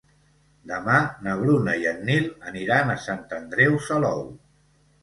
Demà na Bruna i en Nil aniran a Sant Andreu Salou.